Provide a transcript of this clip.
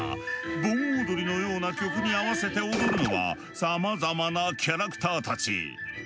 盆踊りのような曲に合わせて踊るのはさまざまなキャラクターたち。